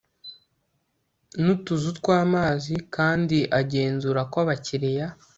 n utuzu tw amazi kandi agenzura ko abakiriya